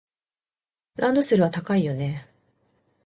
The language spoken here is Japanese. ランドセルは高いよね。